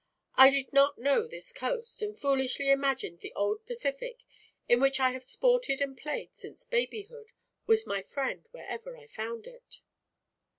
"I did not know this coast, and foolishly imagined the old Pacific, in which I have sported and played since babyhood, was my friend wherever I found it."